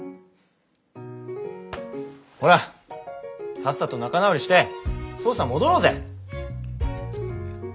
ほらさっさと仲直りして捜査戻ろうぜ。